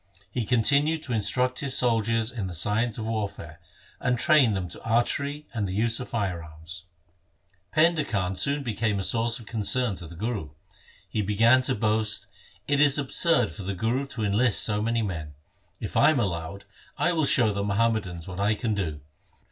He continued to instruct his soldiers in the science of warfare, and train them to archery and the use of fire arms. Painda Khan soon became a source of concern to the Guru. He began to boast, ' It is absurd for the Guru to enlist so many men. If I am allowed, I will show the Muhammadans what I can do.